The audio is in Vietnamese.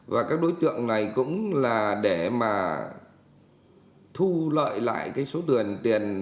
và các đối tượng này cũng là để mà thu lợi lại cái số tiền